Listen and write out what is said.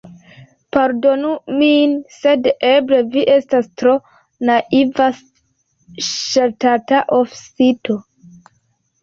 Pardonu min, sed eble vi estas tro naiva ŝtata oficisto.